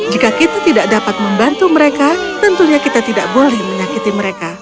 jika kita tidak dapat membantu mereka tentunya kita tidak boleh menyakiti mereka